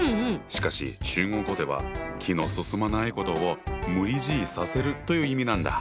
しかし中国語では気の進まないことを「無理強いさせる」という意味なんだ。